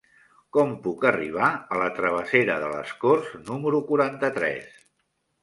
Com puc arribar a la travessera de les Corts número quaranta-tres?